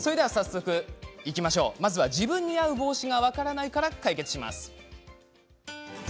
まずは自分に合う帽子が分からないから解決します。